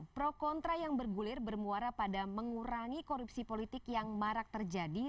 pro kontra yang bergulir bermuara pada mengurangi korupsi politik yang marak terjadi